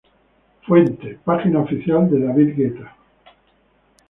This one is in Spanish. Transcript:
Fuente: Página oficial de David Guetta.